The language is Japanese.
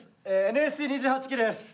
ＮＳＣ２８期です。